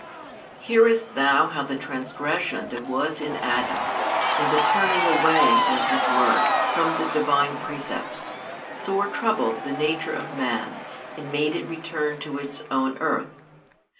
Hearest thou how the transgression that was in Adam, and the "turning away" as it were from the Divine precepts, sore troubled the nature of man, and made it return to its own earth?